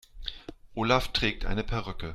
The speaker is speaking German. Olaf trägt eine Perücke.